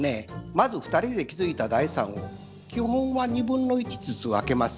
まず２人で築いた財産を基本は２分の１ずつ分けます。